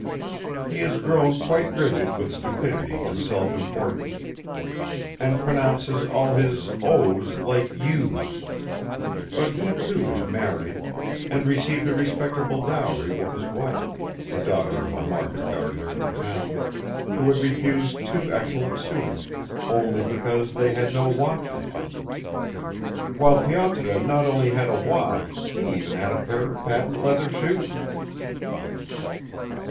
He has grown quite rigid with stupidity and self importance, and pronounces all his o's like u's, but he too is married, and received a respectable dowry with his wife, the daughter of a market gardener in the town, who had refused two excellent suitors, only because they had no watches; while Pyotr not only had a watch he even had a pair of patent leather shoes.